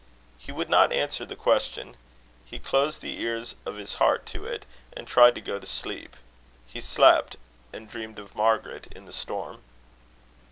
He would not answer the question. He closed the ears of his heart to it, and tried to go to sleep. He slept, and dreamed of Margaret in the storm.